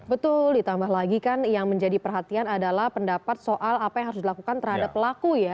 betul ditambah lagi kan yang menjadi perhatian adalah pendapat soal apa yang harus dilakukan terhadap pelaku ya